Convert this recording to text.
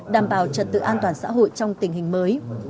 đảm bảo trật tự an toàn xã hội trong tình hình mới